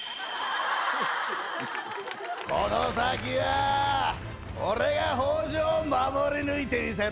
この先は俺が北条を守り抜いてみせる。